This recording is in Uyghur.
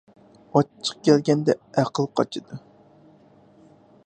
ئاچچىق كەلگەندە ئەقىل قاچىدۇ.